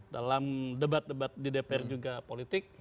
dalam debat debat di dpr juga politik